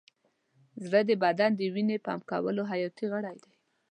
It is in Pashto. زړه د بدن د وینې پمپ کولو حیاتي غړی دی.